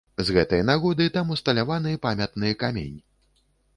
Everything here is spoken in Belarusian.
З гэтай нагоды там усталяваны памятны камень.